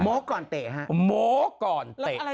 หม้อก่อนเตะโมกก่อนเตะ